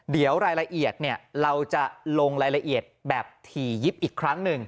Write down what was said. เดี๋ยวรายละเอียดเราจะลงรายละเอียดแบบถี่ยิบอีกครั้งหนึ่ง